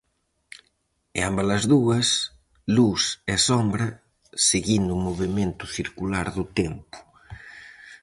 E ambas as dúas, luz e sombra, seguindo o movemento circular do tempo.